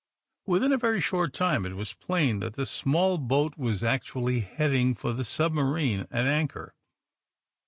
'' Within a very short time it was plain that the small boat was actually heading for the sub marine at anchor.